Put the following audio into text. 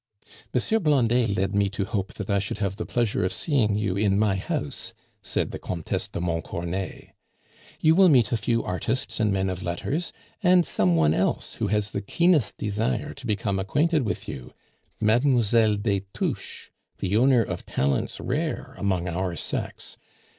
"M. Blondet led me to hope that I should have the pleasure of seeing you in my house," said the Comtesse de Montcornet. "You will meet a few artists and men of letters, and some one else who has the keenest desire to become acquainted with you Mlle. des Touches, the owner of talents rare among our sex.